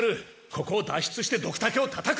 ここを脱出してドクタケをたたく！